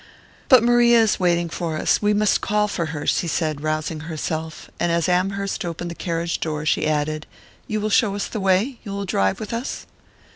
"But Maria is waiting for us we must call for her!" she said, rousing herself; and as Amherst opened the carriage door she added: "You will show us the way? You will drive with us?"